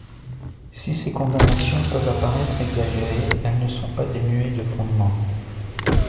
Si ses condamnations peuvent apparaître exagérées, elles ne sont pas dénuées de fondement.